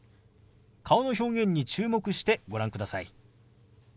顔の表現に注目してご覧ください。